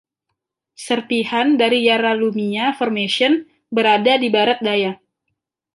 Serpihan dari Yarralumia Formation berada di barat daya.